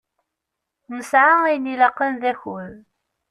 Nesεa ayen ilaqen d akud.